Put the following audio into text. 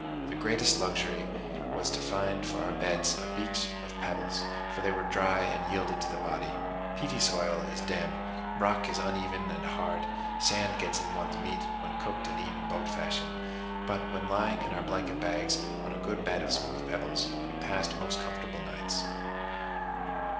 The greatest luxury was to find for our beds a beach of pebbles, for they were dry and yielded to the body. Peaty soil is damp; rock is uneven and hard; sand gets into one's meat, when cooked and eaten boat fashion; but when lying in our blanket bags, on a good bed of smooth pebbles, we passed most comfortable nights.